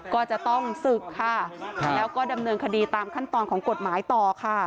ก็จะต้องศึกค่ะแล้วก็ดำเนินคดีตามขั้นตอนของกฎหมายต่อค่ะ